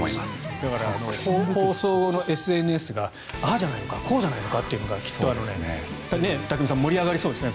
だから放送後のＳＮＳがああじゃないのかこうじゃないかというのがきっと盛り上がりそうですよね。